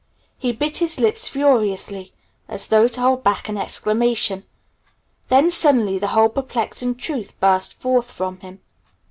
He bit his lips furiously as though to hold back an exclamation. Then suddenly the whole perplexing truth burst forth from him.